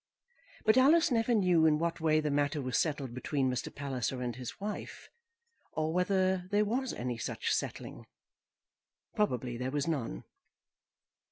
But Alice never knew in what way the matter was settled between Mr. Palliser and his wife, or whether there was any such settling. Probably there was none.